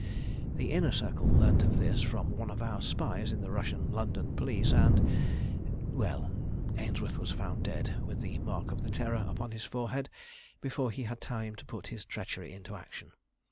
"The Inner Circle learnt of this from one of our spies in the Russian London police, and , well, Ainsworth was found dead with the mark of the Terror upon his forehead before he had time to put his treachery into action.